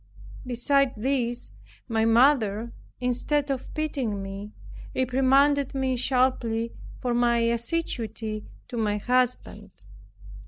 Besides this, my mother, instead of pitying me, reprimanded me sharply for my assiduity to my husband.